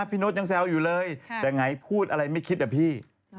พี่โน๊ตยังแซวอยู่เลยแต่ไงพูดอะไรไม่คิดอะพี่